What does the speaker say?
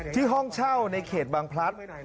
ที่ห้องเช่าในเขตบางพลัทธิ์